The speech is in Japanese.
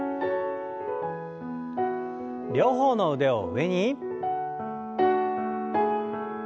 両方の腕を上に。